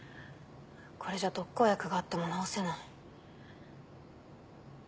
これじゃ特効薬があっても治せない。